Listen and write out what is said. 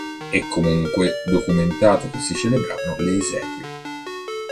E'comunque documentato che si celebravano le esequie.